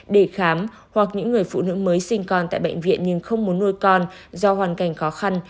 để khám hoặc những người phụ nữ mới sinh con tại bệnh viện nhưng không muốn nuôi con do hoàn cảnh khó khăn